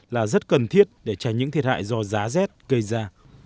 là rất cần thiết để tránh những thiệt hại do giá rét gây ra